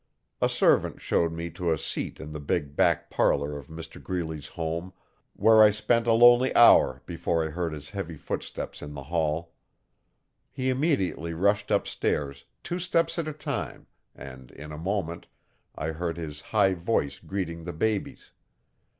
A servant showed me to a seat in the big back parlour of Mr Greeley's home, where I spent a lonely hour before I heard his heavy footsteps in the hail. He immediately rushed upstairs, two steps at a time, and, in a moment, I heard his high voice greeting the babies.